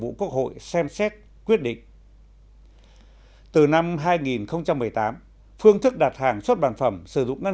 vụ quốc hội xem xét quyết định từ năm hai nghìn một mươi tám phương thức đặt hàng xuất bản phẩm sử dụng ngân